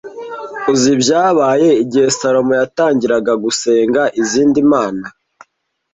Uzi ibyabaye igihe Salomo yatangiraga gusenga izindi mana